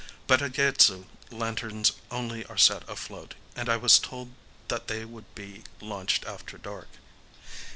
But at Yaidzu lanterns only are set afloat; and I was told that they would be launched after dark.